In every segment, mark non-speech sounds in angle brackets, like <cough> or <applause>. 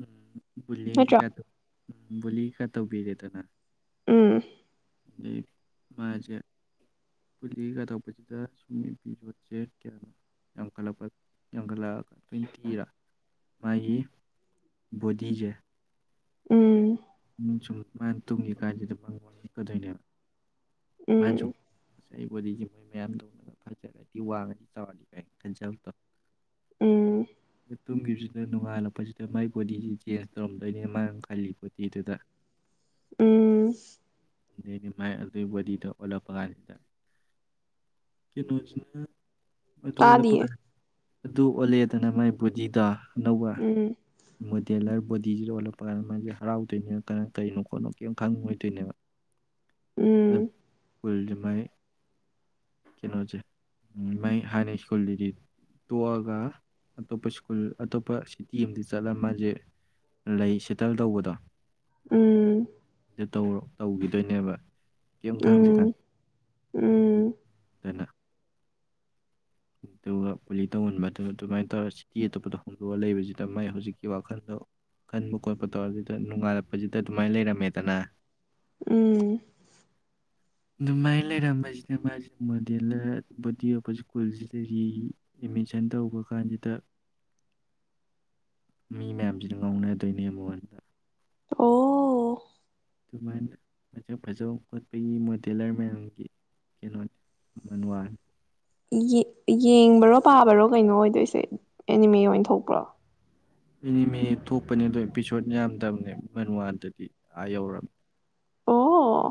ꯎꯝ ꯅꯠꯇ꯭ꯔꯣ ꯗꯗ ꯇꯧꯕꯤꯔꯦꯗꯅ ꯎꯝ ꯑ ꯃꯥꯁꯦ ꯄꯨꯂꯤ ꯀꯥꯊꯣꯛꯄꯁꯤꯗ ꯁꯨꯝꯄꯤ ꯌꯣꯠꯁꯦ ꯀꯌꯥꯅꯣ ꯌꯥꯝꯡꯈꯠꯂꯛꯄ ꯌꯥꯝꯡꯈꯠꯂꯛꯑꯒ ꯃꯥꯒꯤ ꯕꯣꯗꯤꯁꯦ ꯎꯝ ꯁꯨꯝ ꯃꯥ ꯇꯨꯡꯒꯤ ꯀꯥꯁꯤꯗꯀꯗꯣꯏꯅꯦꯕ ꯎꯝ ꯑꯩ ꯕꯣꯗꯤꯁꯤꯦ ꯃꯣꯏ ꯃꯌꯥꯝ ꯇꯧꯅꯒ ꯐꯖꯂꯗꯤ ꯋꯥꯡꯉꯗꯤ ꯆꯥꯎꯔꯅꯤ ꯀꯥꯏꯅ ꯈꯟꯖꯕꯗꯣ ꯎꯝ ꯑ ꯇꯨꯝꯈꯤꯕꯁꯤꯗ ꯅꯣꯡꯉꯥꯜꯂꯛꯄꯁꯤꯗ ꯃꯥꯏ ꯕꯣꯗꯤꯁꯤ ꯆꯦꯟꯖ ꯇꯧꯔꯝꯗꯣꯏꯅꯦ ꯃꯥ ꯈꯜꯂꯤꯣ ꯇꯤꯗꯨꯗ ꯎꯝ ꯃ ꯑꯗꯨꯗꯤꯗ ꯑꯣꯂꯄ ꯀꯗ ꯀꯩꯅꯣ <unintelligible> ꯇꯥꯗꯤꯌꯦ ꯑꯗꯨ ꯑꯣꯜꯂꯦꯗꯅ ꯃꯥꯏ ꯕꯨꯗꯤꯗ ꯑꯅꯧꯕ ꯎꯝ ꯃꯣꯗꯦꯂꯔ ꯖꯤꯖꯂꯄ ꯍꯔꯥꯎ ꯣꯏꯅꯦ ꯀꯅꯥ ꯀꯔꯤꯅꯣ ꯈꯣꯠꯅꯣ ꯀꯔꯤꯝ ꯈꯪꯉ ꯑꯣꯏꯗꯣꯏꯅꯦꯕ ꯎꯝ ꯁ꯭ꯀꯨꯜꯁꯦ ꯃꯩ ꯀꯩꯅꯣꯁꯦ ꯃꯩ ꯍꯥꯟꯅ ꯁ꯭ꯀꯨꯜꯗꯨꯗꯤ ꯇꯣꯛꯑꯒ ꯑꯇꯣꯞꯄ ꯁ꯭ꯀꯨꯜ ꯑꯇꯣꯞꯄ ꯁꯤꯇꯤ ꯑꯗ ꯆꯠꯂꯒ ꯃꯥꯁꯦ ꯂꯩ ꯁꯦꯇꯜ ꯇꯧꯕꯗꯣ ꯎꯝ ꯑꯗꯨ ꯇꯧꯈꯤꯗꯣꯏꯅꯦꯕ ꯀꯦꯝ ꯊꯥꯡꯁꯤ ꯀ ꯎꯝ ꯎꯝ ꯑꯗꯨꯅ ꯑꯗꯨꯒ ꯒꯣꯂꯤ ꯇꯧꯍꯟꯕꯗꯨ ꯑꯗꯨꯃꯥꯏꯅ ꯇꯧꯔ ꯁꯤꯇꯤ ꯑꯇꯣꯞꯄꯗ ꯍꯣꯡꯗꯣꯛꯑ ꯂꯩꯕꯁꯤꯗ ꯃꯥꯏ ꯍꯧꯖꯤꯛꯀꯤ ꯋꯥꯈꯜꯗꯣ ꯈꯟꯕ ꯈꯣꯠꯄ ꯇꯧꯔꯁꯤꯗ ꯅꯨꯡꯉꯥꯏꯜꯂꯛꯄꯁꯤꯗ ꯑꯗꯨꯃꯥꯏꯅ ꯂꯩꯔꯝꯃꯦꯗꯅ ꯎꯝ ꯑꯗꯨ ꯃꯥꯥꯏ ꯂꯩꯔꯝꯥꯏꯁꯤꯅ ꯃꯥꯁ ꯃꯗꯤꯂꯕꯨꯗꯤꯑꯣ ꯁ꯭ꯀꯨꯜꯁꯤꯗꯒꯤ ꯑꯦꯠꯃꯤꯁꯟ ꯇꯧꯕ ꯀꯥꯟꯁꯤꯗ ꯃꯤ ꯃꯌꯥꯝꯁꯤꯅ ꯉꯥꯎꯅꯗꯣꯏꯅꯦ ꯃꯉꯣꯟꯗ ꯑꯣ ꯑꯗꯨꯃꯥꯏꯅ ꯐꯖ ꯐꯖꯕ ꯈꯣꯠꯄꯒꯤ ꯃꯣꯇꯦꯂꯔ ꯃꯌꯥꯝꯒꯤ ꯀꯩꯅꯣꯅꯤ ꯃꯃꯜ ꯋꯥꯅꯤ ꯌꯦꯡꯕꯔꯣ ꯄꯥꯕꯔꯣ ꯀꯩꯅꯣ ꯑꯣꯏꯗꯣꯏꯁꯦ ꯑꯦꯅꯤꯃꯦ ꯑꯣꯏꯅ ꯊꯣꯛꯄ꯭ꯔꯣ <unintelligible> ꯊꯣꯛꯄꯅꯦ ꯑꯗꯣ ꯑꯦꯄꯤꯁꯣꯠ ꯌꯥꯝꯗꯕꯅꯦ ꯃ ꯋꯥꯗꯗꯤ ꯑꯥ ꯌꯧꯔꯕꯝꯅꯤ ꯑꯣ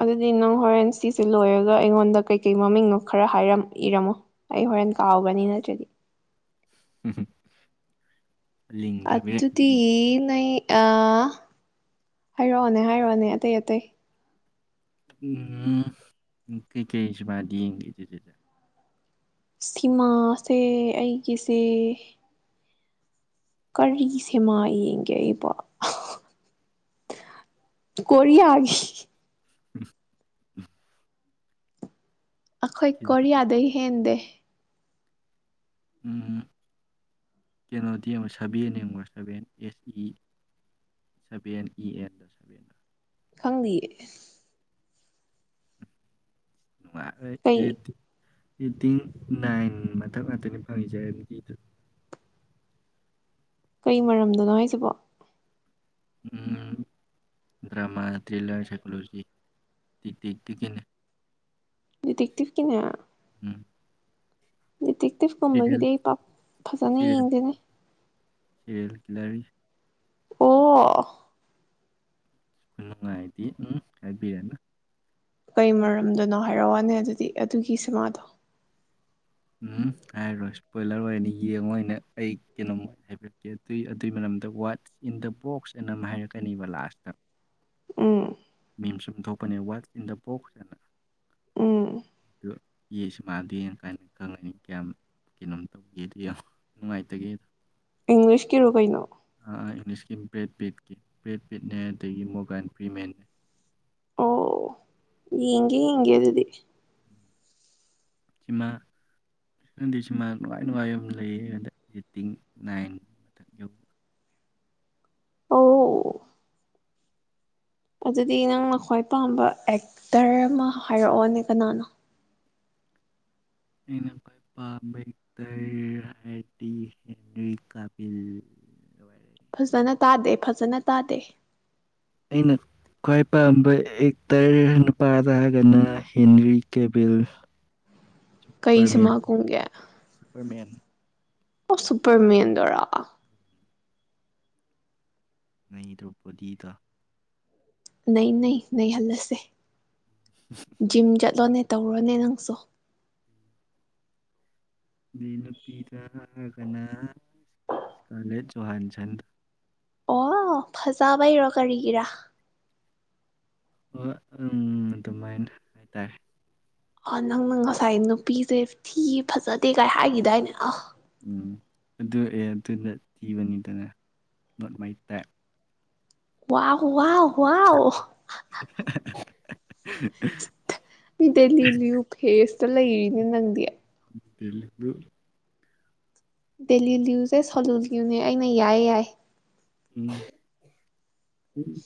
ꯑꯗꯨꯗꯤ ꯅꯪ ꯍꯣꯔꯦꯟ ꯁꯤꯁꯦ ꯂꯣꯏꯔꯒ ꯑꯩꯉꯣꯟꯗ ꯀꯩꯀꯩ ꯃꯃꯤꯡꯅꯣ ꯈꯔ ꯍꯥꯏꯔꯝ ꯏꯔꯝꯃꯣ ꯑꯩ ꯍꯣꯔꯦꯟ ꯀꯥꯎꯒꯅꯤ ꯅꯠꯇ꯭ꯔꯗꯤ ꯎꯝ ꯑꯠꯇꯨꯗꯤ <unintelligible> ꯑ ꯍꯥꯏꯔꯛꯑꯣꯅꯦ ꯍꯥꯏꯔꯛꯑꯣꯅꯦ ꯑꯇꯩ ꯑꯇꯩ ꯎꯝ ꯀꯩ ꯀꯩꯁꯤꯕꯥꯗꯤ <unintelligible> ꯁꯤꯃꯥꯁꯦ ꯑꯩꯒꯤꯁꯦ ꯀꯔꯤ ꯁꯦꯃ ꯌꯦꯡꯒꯦ ꯑꯩꯕꯣ ꯀꯣꯔꯤꯌꯥꯒꯤ <inaudible> ꯑꯩꯈꯣꯏ ꯀꯤꯟ- ꯀꯣꯔꯤꯌꯥꯗꯩ ꯍꯦꯟꯗꯦ ꯀꯩꯅꯣꯗꯤ ꯌꯦꯡꯉꯣ ꯁꯚꯦꯟ ꯌꯦꯡꯉꯣ seven S E seven E and ꯁꯕꯦꯟꯗ ꯈꯪꯗꯤꯌꯦ <unintelligible> ꯀꯩ ꯔꯦꯇꯤꯡ ꯅꯥꯏꯟ ꯃꯊꯛ ꯉꯥꯛꯇꯅꯤ ꯐꯪꯉꯖꯔꯦ ꯅꯨꯃꯤꯠꯇꯨ ꯀꯩ ꯃꯔꯝꯗꯅꯣ ꯍꯥꯏꯁꯤꯕꯣ ꯗ꯭ꯔꯃꯥ ꯊ꯭ꯔꯤꯂꯔ ꯁꯥꯏꯀꯣꯂꯣꯖꯤ ꯇꯛꯇꯛꯇꯗꯒꯤꯅ ꯗꯤꯇꯦꯛꯇꯤꯚ ꯀꯤꯅꯦ ꯗꯤꯇꯦꯛꯇꯤꯞ ꯁꯤꯔꯤꯌꯦꯜ ꯀꯨꯝꯕꯒꯤꯗꯤ ꯑꯩ ꯄꯛ ꯐꯖꯅ ꯁꯤꯔꯤꯌꯦꯜ ꯌꯦꯡꯗꯦꯅꯦ ꯁꯤꯔꯤꯌꯦꯜ ꯀꯤꯂꯔꯒꯤ ꯑꯣ ꯈꯨꯅꯨꯡꯉꯥꯏꯗꯤ ꯎꯝ ꯍꯥꯏꯕꯤꯔꯅꯨ ꯀꯔꯤ ꯃꯔꯝꯗꯅꯣ ꯍꯥꯏꯔꯛ ꯑꯣꯅꯦ ꯑꯗꯨꯗꯤ ꯑꯗꯨꯒꯤ ꯁꯤꯃꯥꯗꯣ ꯎꯝ ꯍꯥꯏꯔꯣꯏ ꯏꯁꯄꯣꯏꯂꯔ ꯑꯣꯏꯅ ꯌꯦꯡꯉꯣ ꯑꯣꯏꯅ ꯑꯩ ꯀꯩꯅꯣꯝꯃ ꯍꯥꯏꯕꯤꯔꯛꯀꯦ ꯑꯗꯨ ꯑꯗꯨꯒꯤ ꯃꯔꯝꯗ ꯋꯥꯠ ꯏꯟ ꯗ ꯕꯣꯛꯁ ꯑꯅ ꯑꯃ ꯍꯥꯏꯔꯛꯀꯅꯦꯕ ꯂꯥꯁꯇ ꯎꯝ ꯃꯤꯝꯁꯨꯝ ꯊꯣꯛꯄꯅꯦ ꯋꯥꯠꯁ ꯏꯟ ꯗ ꯕꯣꯛꯁ ꯍꯥꯏꯅ ꯎꯝ ꯑꯗꯨ ꯌꯦꯁꯨ ꯁꯤꯃꯥꯗꯣꯏꯦꯅ ꯀꯥꯏꯅ ꯈꯪꯉꯅꯤ ꯀꯌꯥꯝ ꯀꯩꯅꯣꯝ ꯇꯧꯒꯦ ꯑꯗꯨ ꯅꯨꯡꯉꯥꯏꯇꯒꯦꯗ ꯏꯪꯂꯤꯁ ꯀꯤꯔꯣ ꯀꯩꯅꯣ ꯀꯤꯝ ꯕ꯭ꯔꯦꯗ ꯄꯠꯀꯤ ꯕ꯭ꯔꯦꯗ ꯄꯠꯅꯦ ꯑꯗꯒꯤ ꯃꯣꯒꯟ ꯄ꯭ꯔꯤꯃꯦꯟꯅꯦ ꯌꯦꯒꯦ ꯌꯦꯒꯦ ꯑꯗꯨꯗꯤ ꯁꯤꯃꯥꯗꯤ ꯁꯤꯃꯥ ꯅꯨꯡꯉꯥꯏ ꯅꯨꯡꯉꯥꯏꯕ ꯑꯃ ꯂꯩ ꯉꯟꯗ ꯔꯇꯤꯡ ꯅꯥꯏꯟ ꯃꯊꯛ ꯌꯧꯕ ꯑꯣ ꯑꯗꯨꯗꯤ ꯅꯪꯅ ꯈ꯭ꯋꯥꯏ ꯄꯥꯝꯕ ꯑꯦꯛꯇꯔ ꯑꯃ ꯍꯥꯏꯔꯛꯑꯣꯅꯦ ꯀꯅꯥꯅꯣ ꯩꯅ ꯄ ꯄ ꯑꯝꯕꯦꯛꯇꯔꯔꯤ ꯀ <inaudible> ꯐꯖꯅ ꯇꯥꯗꯦ ꯐꯖꯅ ꯇꯥꯗꯦ ꯑꯩꯅ ꯈ꯭ꯋꯥꯏ ꯄꯥꯝꯕ ꯑꯦꯛꯇꯔ ꯅꯨꯄꯥꯗ ꯍꯥꯏꯔꯒꯅ ꯍꯦꯟꯔꯤ ꯀꯦꯕꯤꯜ ꯀꯩ ꯁꯨꯄꯔꯃꯦꯟ ꯁꯃꯥ ꯀꯨꯝꯒꯦ ꯁꯨꯄꯔꯃꯦꯟ ꯑꯣ ꯁꯨꯄꯔ ꯃꯦꯟꯗꯨꯔꯥ ꯅꯩꯗꯣꯞꯄꯗꯤꯗꯥ ꯅꯩ ꯅꯩ ꯅꯩꯍꯜꯂꯁꯦ ꯖꯤꯝ ꯆꯠꯂꯣꯅꯦ ꯇꯧꯔꯣꯅꯦ ꯅꯪꯁꯨ ꯑ ꯅꯨꯄꯤꯗ ꯍꯥꯒꯅ ꯀꯂꯦ ꯖꯣꯍꯥꯟꯆꯟ꯭ꯔ ꯑꯣ ꯐꯖꯕꯥꯏꯔꯣ ꯀꯔꯤꯒꯤꯔ ꯍ ꯑꯝ ꯑꯗꯨꯃꯥꯏꯅ ꯍꯥꯏꯇꯥꯔꯦ ꯑ ꯅꯪꯅ ꯉꯁꯥꯏ ꯅꯨꯄꯤꯁꯦ ꯊꯤ ꯐꯖꯗꯦ ꯀꯥꯏ ꯍꯥꯏꯈꯤꯗꯥꯏꯅꯦ ꯑ ꯎꯝ ꯑꯗꯨ ꯑꯦ ꯑꯗꯨꯗ ꯊꯤꯕꯅꯤꯗꯅ not my type wow wow wow <unintelligible> face <unintelligible> ꯂꯩꯔꯤꯅꯦ ꯅꯪꯗꯤ <unintelligible> ꯗꯦꯂꯤ ꯂ꯭ꯌꯨꯁ ꯑꯦ ꯁꯣꯂꯨ꯭ꯌꯨꯅꯦ ꯑꯩꯅ ꯌꯥꯏꯌꯦ ꯌꯥꯏ ꯎꯝ ꯎꯝ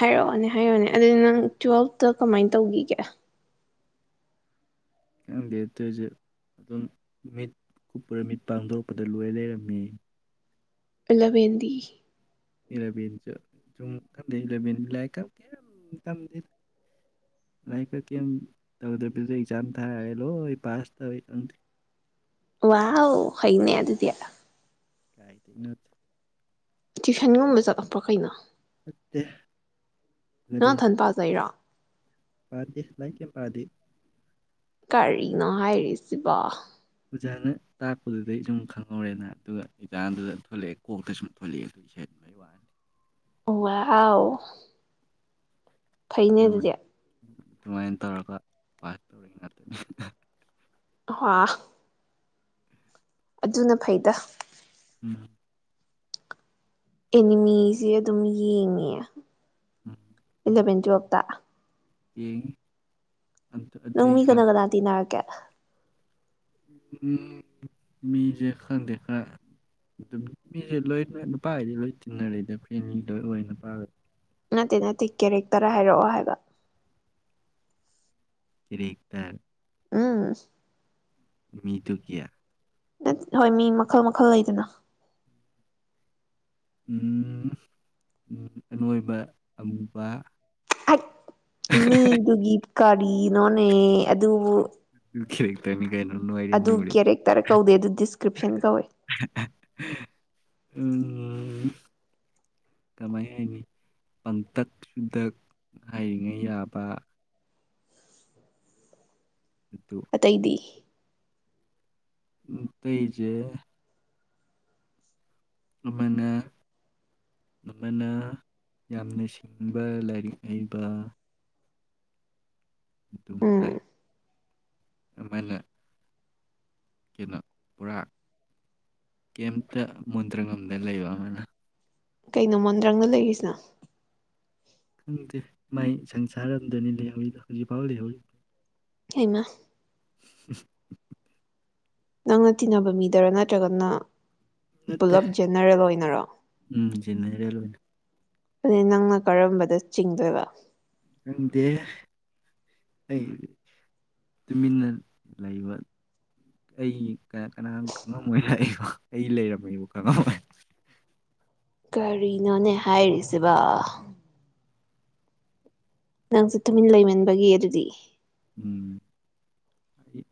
ꯍꯥꯏꯔꯛꯑꯣꯅꯦ ꯍꯥꯏꯔꯛꯑꯣꯅꯦ ꯑꯗꯨꯗꯤ ꯅꯪ ꯇꯨꯋꯦꯜꯐꯇ ꯀꯃꯥꯏꯅ ꯇꯧꯈꯤꯒꯦ ꯈꯪꯗꯠꯇꯣꯏꯁꯦ ꯑꯗꯨꯝ ꯃꯤꯠ ꯀꯨꯞꯄꯔ ꯃꯤꯠ ꯄꯥꯡꯊꯣꯔꯛꯄꯗ ꯂꯣꯏ ꯂꯩꯔꯝꯃꯦ ꯂꯕꯦꯟꯗꯤ ꯏꯂꯚꯦꯟꯁꯨ ꯁꯨꯝꯗꯦ ꯏꯂꯚꯦꯟ ꯂꯥꯏꯔꯤꯛ ꯀꯩꯝꯗꯦ ꯂꯥꯏꯔꯤꯛ ꯀ ꯀꯩ ꯇꯧꯗꯕꯤꯗ ꯑꯦꯛꯖꯥꯝ ꯊꯥꯔꯦ ꯂꯣꯏ ꯄꯥꯁ ꯇꯧꯋꯤ ꯈꯪꯗꯦ ꯋꯥ <unintelligible> ꯍꯩꯅꯦ ꯑꯗꯨꯗꯤꯌꯥ ꯀꯥꯏ ꯇꯩꯅꯣꯗ ꯇ꯭ꯨꯁꯟꯒꯨꯝꯕ ꯆꯠꯂꯛꯄ꯭ꯔꯣ ꯀꯩꯅꯣ <unintelligible> ꯅꯪ ꯊꯟ ꯄꯖꯩꯔꯣ ꯄꯥꯗꯦꯂ ꯂꯥꯏꯔꯤꯛ ꯀꯌꯤꯝ ꯄꯥꯗꯦ꯫ ꯀꯔꯤꯅꯣ ꯍꯥꯏꯔꯤꯁꯤꯕꯣ ꯑꯣꯖꯥꯅ ꯇꯥꯛꯄꯗꯨꯗꯩ ꯑꯗꯨꯝ ꯈꯪꯍꯧꯔꯦꯅ ꯑꯗꯨꯒ ꯑꯦꯛꯖꯥꯝꯗꯨꯗ ꯊꯣꯛꯂꯛꯑꯦ ꯀꯣꯛꯇ ꯁꯨꯝ ꯊꯣꯛꯂꯛꯑꯦ ꯑꯗꯨ ꯏꯁꯩ ꯑꯗꯨꯕꯒꯤ ꯋꯥꯅꯤ <unintelligible> ꯍꯥꯎ ꯐꯩꯅꯦ ꯑꯗꯨꯗꯤ ꯑꯗꯨꯨꯃꯥꯏꯅ ꯇꯧꯔꯒ ꯄꯥꯁ ꯇꯧꯔꯤ ꯉꯥꯛꯇꯅꯤꯅ ꯍ ꯑꯗꯨꯅ ꯐꯩꯗ ꯎꯝ ꯑꯦꯅꯤꯃꯤꯁ ꯑꯗꯨꯝ ꯌꯦꯡꯉꯦ ꯎꯝ ꯏꯂꯚꯦꯟ ꯇꯨꯋꯦꯞ ꯇ ꯏꯟ ꯅꯪ ꯃꯤ ꯀꯅꯥ ꯀꯅꯥꯏ ꯇꯤꯟꯅꯔꯛꯀꯦ ꯎꯝ ꯃꯤꯁꯦ ꯈꯪꯗꯦ ꯈꯔ ꯑꯗꯨꯝ ꯃꯤꯁꯦ ꯂꯣꯏ ꯅꯨꯄꯥ ꯍꯥꯏꯗꯤ ꯂꯣꯏ ꯇꯤꯟꯅꯔꯦꯗ ꯑꯩꯈꯣꯏ ꯑꯅꯤ ꯂꯣꯏ ꯑꯣꯏ ꯅꯨꯄꯥ ꯅꯠꯇꯦ ꯅꯠꯇꯦ ꯀꯦꯔꯦꯛꯇꯔ ꯍꯥꯏꯔꯛꯑꯣ ꯍꯥꯏꯕ ꯀꯦꯔꯦꯛꯇꯔ ꯑꯥ ꯃꯤ ꯇ ꯀꯌꯥ <unintelligible> ꯍꯣꯏ ꯃꯤ ꯃꯈꯜ ꯃꯈꯜ ꯂꯩꯗꯅ ꯎꯝ ꯎꯝ ꯑꯅꯣꯏꯕ ꯑꯃꯨꯕ ꯃꯤꯗꯨꯒꯤ ꯀꯥꯔꯤ ꯅꯣꯅꯦ ꯑꯗꯨꯕꯨ <unintelligible> ꯩꯅꯅ ꯍꯥꯏꯏꯔ ꯑꯗꯨ ꯃꯒ ꯀꯦꯔꯦꯛꯇꯔ ꯀꯧꯗꯦ ꯑꯗꯨ ꯗꯤꯁꯀ꯭ꯔꯤꯞꯁꯟ ꯀꯧꯋꯦ ꯎꯝ ꯀꯃꯥꯏ ꯍꯥꯏꯅꯤ ꯄꯥꯡꯇꯛ ꯁꯨꯗꯛ ꯍꯥꯏꯔꯤꯉꯩ ꯌꯥꯕ ꯑꯗꯨ ꯑꯇꯩꯗꯤ ꯎꯝ ꯇꯩꯖꯦ ꯑꯃꯅ ꯑꯃꯅ ꯌꯥꯝꯅ ꯁꯤꯡꯕ ꯂꯥꯏꯔꯤꯛ ꯍꯩꯕ ꯑꯗꯨ ꯃꯉꯥꯏ ꯎꯝ ꯀꯃꯥꯏꯅ ꯀꯩꯕ ꯄꯨꯔꯥ ꯀꯦꯌꯝꯇ ꯃꯨꯟꯗ꯭ꯔꯉꯝꯗ ꯂꯩꯕ ꯑꯃꯅ ꯀꯩꯅꯣ ꯃꯣꯟꯗ꯭ꯔꯪꯅ ꯂꯩꯔꯤꯁꯤꯅ ꯈꯪꯗꯦ ꯃꯥꯏ ꯁꯪꯁꯥꯔꯝꯗꯅꯤ ꯂꯩꯍꯧꯔꯤꯗꯣ ꯍꯧꯖꯤꯛꯐꯥꯎ ꯂꯩꯍꯧꯔꯤ ꯍꯩꯃꯥ <unintelligible> ꯅꯪꯅ ꯇꯤꯟꯅꯕ ꯃꯤꯗꯔ ꯅꯠꯇ꯭ꯔꯒꯅ ꯄꯨꯂꯞ <unintelligible> ꯖꯦꯅꯔꯦꯜ ꯑꯣꯏꯅꯔꯣ ꯎꯝ ꯖꯦꯅꯔꯦꯜ ꯑꯣꯏꯅ <unintelligible> ꯅꯪꯅ ꯀꯔꯝꯕꯗ ꯆꯤꯡꯗꯣꯏꯕ ꯈꯪꯗꯦ ꯑꯩ ꯇꯨꯃꯤꯟꯅ ꯂꯩꯕ ꯑꯩ ꯀꯅꯥꯝ ꯈꯪꯉꯝꯃꯣꯏ <unintelligible> ꯑꯩ ꯂꯩꯔꯝꯃꯦꯕꯣ ꯈꯪꯉꯝꯃꯣꯏ ꯀꯔꯤꯅꯣꯅꯦ ꯍꯥꯏꯔꯤꯁꯤꯕꯨ ꯅꯪꯁꯦ ꯇꯨꯃꯤꯟ ꯂꯩꯃꯟꯕꯒꯤ ꯑꯗꯨꯗꯤ ꯎꯝ ꯑꯩ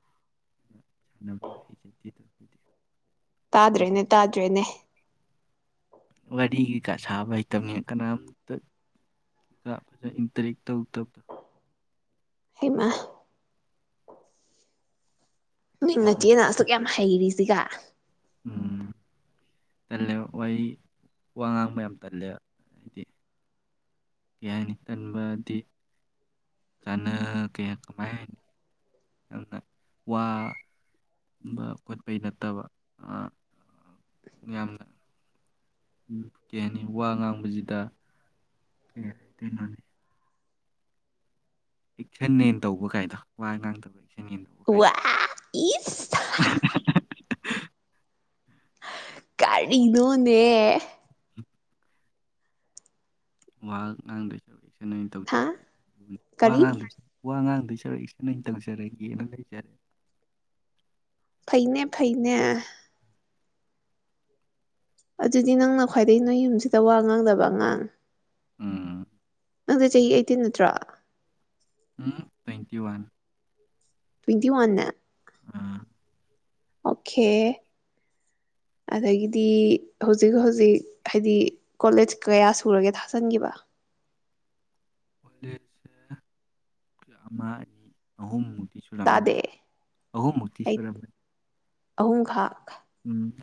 ꯁꯥꯟꯅꯕ꯭ꯔ ꯍꯩꯖꯗꯦ ꯈꯣꯏꯗꯤ ꯇꯥꯗ꯭ꯔꯦꯅꯦ ꯇꯥꯗ꯭ꯔꯦꯅꯦ ꯋꯥꯔꯤ ꯀꯩꯀꯥ ꯁꯥꯕ ꯍꯩꯇꯝꯉ ꯀꯅꯥꯝꯇ ꯐꯖꯅ ꯏꯟꯇꯔꯦꯛ ꯇꯧ <unintelligible> ꯍꯩꯃꯥ ꯃꯟꯅ ꯇꯜꯂꯦ ꯆꯤꯌꯦ ꯍꯩꯔꯤꯁꯤꯒ ꯎꯝ ꯇꯜꯂꯦ ꯋꯥꯍꯩ ꯋꯥ ꯉꯥꯡꯕ ꯌꯥꯝ ꯇꯜꯂꯦ ꯍꯥꯏꯗꯤ ꯀꯩ ꯍꯥꯏꯅꯤ ꯇꯟꯕꯗꯤ ꯆꯥꯅ ꯀ ꯀꯃꯥꯏ ꯍꯥꯏꯅꯤ ꯌꯥꯝꯅ ꯋꯥꯕ ꯈꯣꯠꯄꯩ ꯅꯠꯇꯕ ꯌꯥꯝꯅ ꯎꯝ <unintelligible> ꯋꯥ ꯉꯥꯡꯕꯁꯤꯗ ꯀꯩ ꯀꯩ ꯃꯥꯟꯂꯤ ꯑꯦꯛꯁꯟꯅꯦꯅ ꯇꯧꯕ ꯀꯥꯏꯗ ꯋꯥ ꯉꯥꯡꯗꯕꯒꯤ ꯋꯥ ꯏꯁ ꯀꯥꯔꯤꯅꯣꯅꯦ ꯋꯥ ꯉꯥꯡꯗꯦ ꯇꯧꯔꯤꯁꯦ ꯀꯩꯅ ꯑꯣꯏꯅ ꯍꯥ ꯇꯧꯖꯒꯦ ꯋꯥ ꯀꯔꯤ ꯉꯥꯡ ꯋꯥ ꯉꯥꯡ <unintelligible> ꯇꯧꯖꯔꯌꯦꯅ ꯂꯩꯖꯔꯦ ꯐꯩꯅꯦ ꯐꯩꯅꯦ ꯑꯗꯨꯗꯤ ꯅꯪꯅ ꯈ꯭ꯋꯥꯏꯩ ꯅꯣꯏ ꯌꯨꯝꯁꯤꯗ ꯋꯥ ꯉꯥꯡꯗꯕ ꯑꯉꯥꯡ ꯎꯝ ꯅꯪꯗ ꯆꯍꯤ ꯑꯩꯇꯤꯟ ꯅꯠꯇ꯭ꯔꯣ ꯎꯝ ꯇ꯭ꯋꯦꯟꯇꯤ ꯋꯥꯟ ꯇ꯭ꯋꯦꯟꯇꯤ ꯋꯥꯟꯦ <unintelligible> ꯑꯥ ꯑꯣꯀꯦ ꯑꯗꯒꯤꯗꯤ ꯍꯧꯖꯤꯛ ꯍꯧꯖꯤꯛ ꯍꯥꯏꯗꯤ ꯀꯣꯂꯦꯖ ꯀꯌꯥ ꯁꯨꯔꯒꯦ ꯊꯥꯖꯟꯈꯤꯕ ꯀꯣꯂꯦꯖꯁꯦ ꯑꯩ ꯑꯃ ꯑꯅꯤ ꯑꯍꯨꯝꯃꯨꯛ ꯇꯤꯁꯨꯔꯥ ꯃ ꯇꯥꯗꯦ ꯑꯍꯨꯝ ꯃꯨ ꯇꯤꯁꯨꯔꯥ ꯃ ꯑꯍꯨꯝ ꯈꯛ ꯎꯝ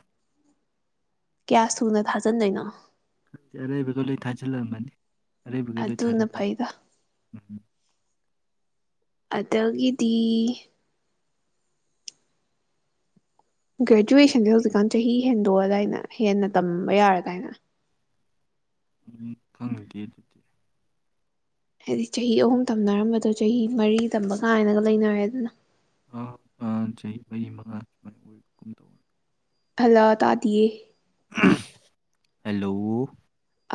ꯀꯌꯥ ꯁꯨꯅ ꯊꯥꯖꯟꯗꯣꯏꯅꯣ ꯑꯔꯩꯕꯗꯣ ꯂꯣꯏ ꯊꯥꯖꯟ ꯂꯝꯕꯅꯦ꯫ ꯑꯗꯨꯅ ꯐꯩꯗ ꯎꯝ ꯑꯗꯒꯤꯗꯤ ꯒ꯭ꯔꯦꯖꯨꯋꯦꯁꯟꯁꯦ ꯍꯧꯖꯤꯛꯀꯥꯟ ꯆꯍꯤ ꯍꯦꯟꯗꯣꯛꯑꯗꯥꯏꯅ ꯍꯦꯟꯅ ꯇꯝꯕ ꯌꯥꯔ ꯗꯥꯏꯅꯦ ꯎꯝ ꯈꯪꯗꯦ <unintelligible> ꯍꯥꯏꯗꯤ ꯆꯍꯤ ꯑꯍꯨꯝ ꯇꯝꯅꯔꯝꯕꯗꯣ ꯆꯍꯤ ꯃꯔꯤ ꯇꯝꯕ ꯀꯥꯏꯅꯒ ꯂꯩꯅꯔꯦ ꯑꯗꯨꯅ ꯑꯥ ꯑꯥꯖꯩ ꯆꯍꯤ ꯃꯉꯥ <unintelligible> ꯍꯜꯂꯣ ꯇꯥꯗꯤꯌꯦ ꯍꯂꯣ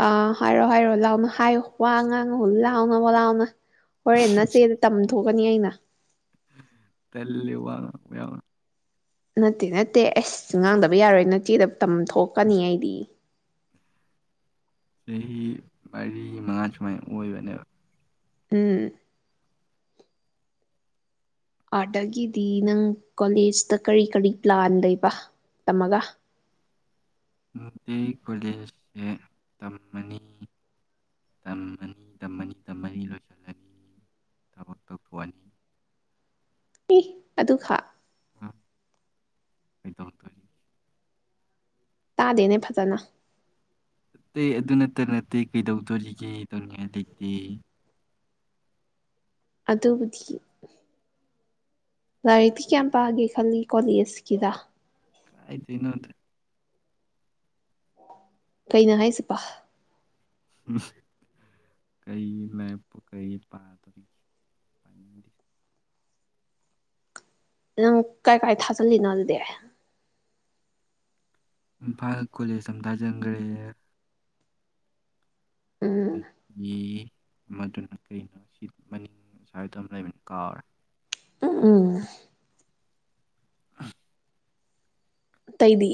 ꯑꯥ ꯍꯥꯏꯔꯣ ꯍꯥꯏꯔꯣ ꯂꯥꯎꯅ ꯍꯥꯏꯌꯨ ꯋꯥ ꯉꯥꯡꯉꯨ ꯂꯥꯎꯅ ꯂꯥꯎꯅ ꯍꯣꯔꯦꯟ ꯅꯆꯦꯗ ꯇꯝꯊꯣꯛ ꯀꯅꯤ ꯑꯩꯅ ꯇꯜꯂꯦ ꯋꯥ ꯉꯥꯡꯕ ꯌꯥꯝꯅ ꯅꯠꯇꯦ ꯅꯠꯇꯦ ꯑꯁ ꯉꯥꯡꯗꯕ ꯌꯥꯔꯣꯏ ꯅꯆꯦꯗ ꯇꯝꯊꯣꯛꯀꯅꯤ ꯑꯩꯗꯤ ꯆꯍꯤ ꯃꯔꯤ ꯃꯉꯥ ꯁꯨꯃꯥꯏꯅ ꯑꯣꯏꯕꯅꯦꯕ ꯎꯝ ꯑꯥꯗꯒꯤꯗꯤ ꯅꯪ ꯀꯣꯂꯦꯖꯇ ꯀꯔꯤ ꯀꯔꯤ ꯄ꯭ꯂꯥꯟ ꯂꯩꯕ ꯇꯝꯃꯒ ꯑꯗꯩꯩ ꯀꯣꯂꯦꯖꯁꯦ ꯇꯝꯃꯅꯤ ꯇꯝꯃꯅꯤ ꯇꯝꯃꯅꯤ ꯇꯝꯃꯅꯤ ꯂꯣꯏꯁꯤꯜꯂꯅꯤ ꯊꯕꯛ ꯇꯧꯊꯣꯛꯑꯅꯤ ꯑꯦ ꯑꯗꯨ ꯈꯛ ꯀꯩꯗꯧꯗꯣꯔꯤꯒꯦ ꯇꯥꯗꯦꯅꯦ ꯐꯖꯅ ꯑꯇꯩ ꯑꯗꯨ ꯅꯠꯇ ꯅꯠꯇꯦ ꯀꯩꯗꯧꯗꯣꯔꯤꯒꯦ ꯇꯧꯅꯤꯡꯉꯥꯏ ꯂꯩꯇꯦ ꯑꯗꯨꯕꯨꯗꯤ ꯂꯥꯏꯔꯤꯛꯇꯤ ꯀꯌꯥꯝ ꯄꯥꯒꯦ ꯈꯜꯂꯤ ꯀꯣꯂꯦꯖꯀꯤꯗ ꯀꯥꯏꯗꯩꯩꯅꯣꯗ ꯀꯩꯅꯣ ꯍꯥꯏꯁꯤꯕꯣ <unintelligible> ꯀꯩ ꯃꯦꯞꯄꯨ ꯀꯩ ꯄꯥꯗꯣꯔꯤꯒꯦ ꯅꯪ ꯀꯥꯏ ꯀꯥꯏ ꯊꯥꯖꯜꯂꯤꯅꯣ ꯑꯗꯨꯗꯤ ꯏꯝꯐꯥꯜ ꯀꯣꯂꯦꯖ ꯇꯥ ꯁꯨꯝ ꯊꯖꯟꯒ꯭ꯔꯦ ꯎꯝ ꯑꯦ ꯃꯗꯨꯅ ꯀꯩꯅꯣ ꯁꯤ ꯃꯅꯤꯡ ꯑꯁꯋꯥꯏꯗꯝ ꯂꯩꯕꯅꯦ ꯀꯥꯎꯔꯦ ꯎꯝ ꯇꯩꯗꯤ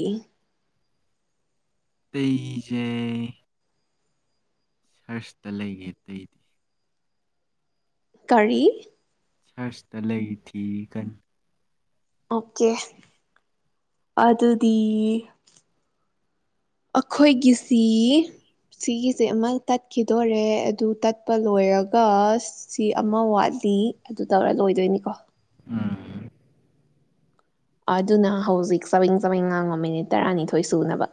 ꯇꯩ ꯖꯦ ꯁꯔ꯭ꯁꯇ ꯂꯩꯒꯦ ꯑꯇꯩꯗꯤ꯫ ꯀꯔꯤ? ꯁꯔ꯭ꯁꯇ ꯂꯩ ꯊꯤꯔꯤ ꯀꯟ꯫ ꯑꯣꯀꯦ ꯑꯗꯨꯗꯤ ꯑꯈꯣꯏꯒꯤꯁꯤ ꯁꯤꯒꯤꯖꯦ ꯑꯃ ꯇꯠꯈꯤꯗꯣꯔꯦ ꯑꯗꯨ ꯇꯠꯄ ꯂꯣꯏꯔꯒ ꯁꯤ ꯑꯃ ꯋꯥꯠꯂꯤ ꯑꯗꯨ ꯇꯧꯔ ꯂꯣꯏꯗꯣꯏꯅꯤꯀꯣ꯫ ꯎꯝ꯫ ꯑꯗꯨꯅ ꯍꯧꯖꯤꯛ ꯆꯕꯦꯡ ꯆꯕꯦꯡ ꯉꯥꯡꯉꯣ ꯃꯤꯅꯤꯠ ꯇꯔꯥꯅꯤꯊꯣꯏ ꯁꯨꯅꯕ꯫